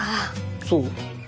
そう？